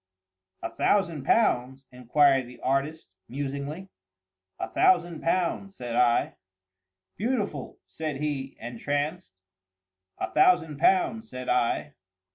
"A thousand pounds?" inquired the artist, musingly. "A thousand pounds," said I. "Beautiful!" said he, entranced. "A thousand pounds," said I.